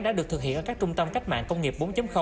đã được thực hiện ở các trung tâm cách mạng công nghiệp bốn